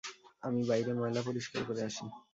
আমি বাইরে ময়লা পরিষ্কার করে আসি!